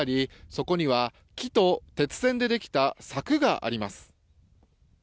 そこには木と鉄線でできた柵があります。